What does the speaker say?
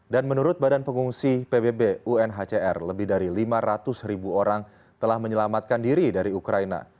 dan menurut badan pengungsi pbb unhcr lebih dari lima ratus ribu orang telah menyelamatkan diri dari ukraina